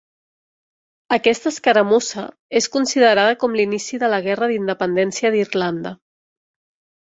Aquesta escaramussa és considerada com l'inici de la Guerra d'Independència d'Irlanda.